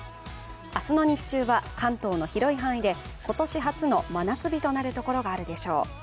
明日の日中は、関東の広い範囲で今年初の真夏日となる所があるでしょう。